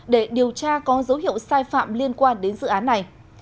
để điều tra có dấu hiệu sai phạm liên quan đến dự án này